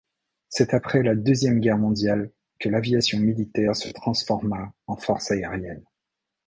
C'est après la deuxième guerre mondiale que l'Aviation Militaire se transforma en Force Aérienne.